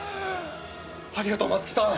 ありがとう松木さん。